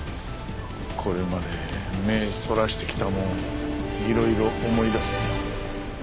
これまで目ぇそらしてきたもんをいろいろ思い出す。